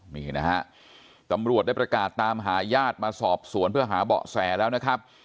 นี่นะฮะตำรวจได้ประกาศตามหาญาติมาสอบสวนเพื่อหาเบาะแสแล้วนะครับ